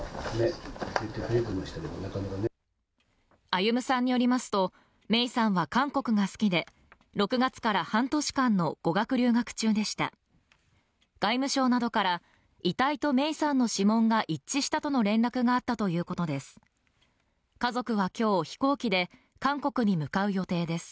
歩さんによりますと芽生さんは韓国が好きで６月から半年間の語学留学中でした外務省などから遺体と芽生さんの指紋が一致したとの連絡があったということです。